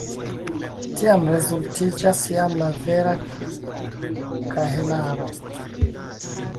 Tiam rezultiĝas jam la vera kahelaro.